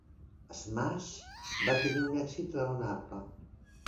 Smash va tenir un èxit raonable.